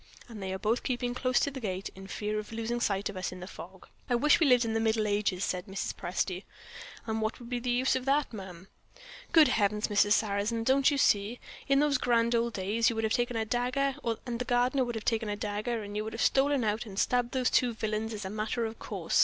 And they are both keeping close to the gate, in the fear of losing sight of us in the fog." "I wish we lived in the Middle Ages!" said Mrs. Presty. "What would be the use of that, ma'am?" "Good heavens, Mr. Sarrazin, don't you see? In those grand old days you would have taken a dagger, and the gardener would have taken a dagger, and you would have stolen out, and stabbed those two villains as a matter of course.